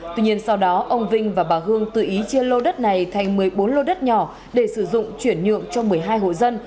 tuy nhiên sau đó ông vinh và bà hương tự ý chia lô đất này thành một mươi bốn lô đất nhỏ để sử dụng chuyển nhượng cho một mươi hai hộ dân